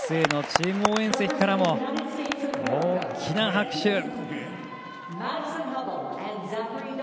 ＵＳＡのチーム応援席からも大きな拍手。